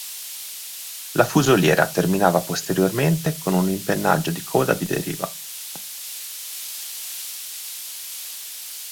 La fusoliera terminava posteriormente con un impennaggio di coda bideriva.